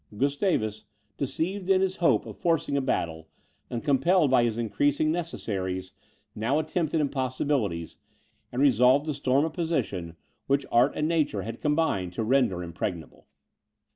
Gustavus, deceived in his hope of forcing a battle, and compelled by his increasing necessities, now attempted impossibilities, and resolved to storm a position which art and nature had combined to render impregnable.